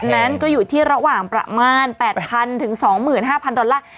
มันก็อยู่ที่ระหว่างประมาณแปดพันถึงสองหมื่นห้าพันดอลลาร์